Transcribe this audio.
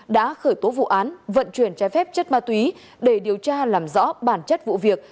đã khởi tố vụ án vận chuyển trái phép chất ma túy để điều tra làm rõ bản chất vụ việc